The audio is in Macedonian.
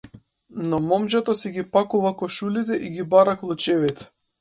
Но момчето си ги пакува кошулите и ги бара клучевите.